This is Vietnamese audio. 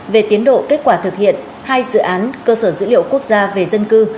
về tiến độ kết quả thực hiện hai dự án cơ sở dữ liệu quốc gia về dân cư